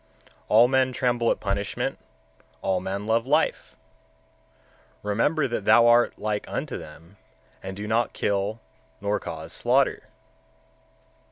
130. All men tremble at punishment, all men love life; remember that thou art like unto them, and do not kill, nor cause slaughter.